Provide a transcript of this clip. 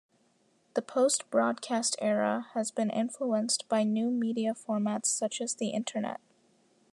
The Post-Broadcast era has been influenced by new media formats such as the internet.